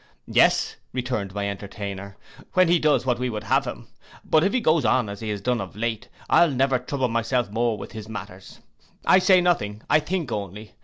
'Yes,' returned my entertainer, 'when he does what we would have him; but if he goes on as he has done of late, I'll never trouble myself more with his matters. I say nothing. I think only.